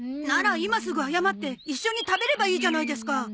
なら今すぐ謝って一緒に食べればいいじゃないですか。